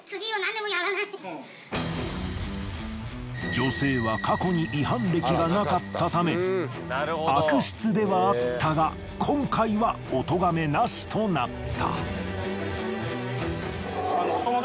女性は過去に違反歴がなかったため悪質ではあったが今回はおとがめなしとなった。